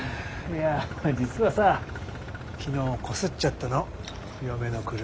いや実はさ昨日こすっちゃったの嫁の車。